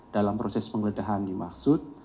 dalam proses pengledahan dimaksud